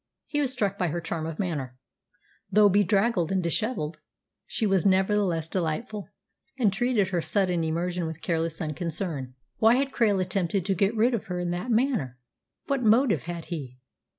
He was struck by her charm of manner. Though bedraggled and dishevelled, she was nevertheless delightful, and treated her sudden immersion with careless unconcern. Why had Krail attempted to get rid of her in that manner? What motive had he?